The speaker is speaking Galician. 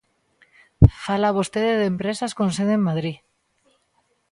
Fala vostede de empresas con sede en Madrid.